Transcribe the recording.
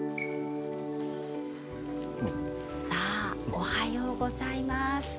おはようございます。